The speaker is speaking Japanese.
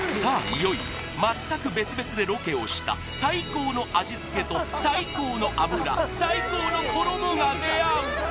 いよいよ全く別々でロケをした最高の味付けと最高の油最高の衣が出会う！